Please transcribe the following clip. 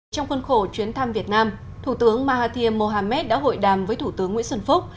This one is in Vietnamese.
trong khuôn khổ chuyến thăm việt nam thủ tướng mahathir mohamed đã hội đàm với thủ tướng nguyễn xuân phúc